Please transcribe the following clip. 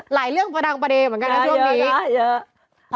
หลายเรื่องประดังประเด็นเหมือนกันในช่วงนี้เยอะ